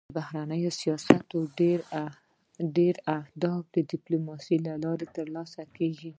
د بهرني سیاست ډېری اهداف د ډيپلوماسی له لارې تر لاسه کېږي.